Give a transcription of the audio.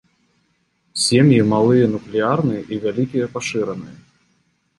Сем'і малыя нуклеарныя і вялікія пашыраныя.